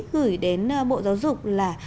gửi đến bộ giáo dục là